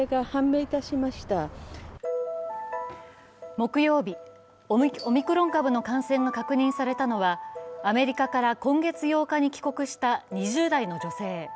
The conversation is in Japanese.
木曜日、オミクロン株の感染が確認されたのはアメリカから今月８日に帰国した２０代の女性。